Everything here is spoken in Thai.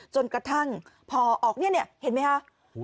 จนกระทั่งพอออกเนี่ยเห็นไหมคะ